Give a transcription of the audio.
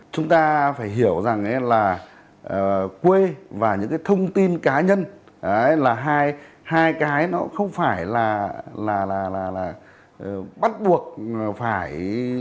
chúng ta phải hiểu rằng là quê và những cái thông tin cá nhân là hai cái nó không phải là bắt buộc phải